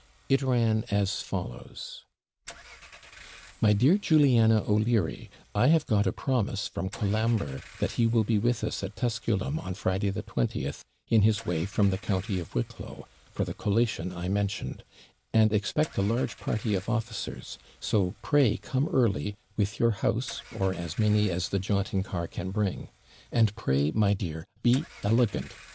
It ran as follows: MY DEAR JULIANA O'LEARY, I have got a promise from Colambre, that he will be with us at Tusculum on Friday the 20th, in his way from the county of Wicklow, for the collation I mentioned; and expect a large party of officers; so pray come early, with your house, or as many as the jaunting car can bring. And pray, my dear, be ELEGANT.